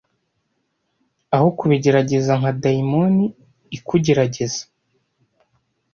aho kubigerageza nka dayimoni ikugerageza